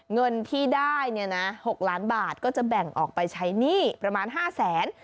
เงินที่ได้เนี่ยนะ๖ล้านบาทก็จะแบ่งออกไปใช้หนี้ประมาณ๕แสน